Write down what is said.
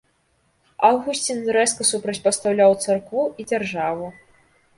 Аўгусцін рэзка супрацьпастаўляў царкву і дзяржаву.